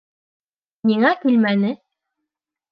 Ниңә килмәне?